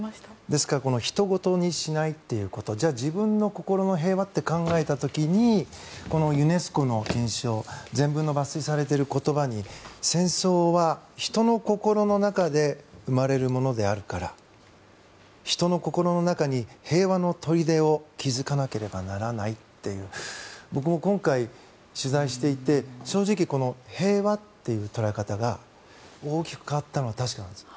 ですからひと事にしないということじゃあ自分の心の平和ということを考えた時にユネスコの憲章前文の抜粋されている言葉に戦争は人の心の中で生まれるものであるから人の心の中に平和の砦を築かなければならないという僕も今回、取材していて正直、平和という捉え方が大きく変わったのは確かなんです。